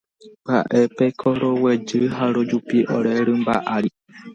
Pya'épeko roguejy ha rojupi ore rymba ári.